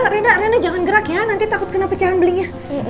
rina rina jangan gerak ya nanti takut kena pecahan belingnya